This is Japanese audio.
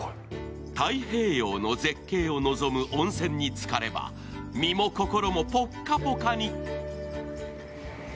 太平洋の絶景を望む温泉につかれば身も心もポッカポカに。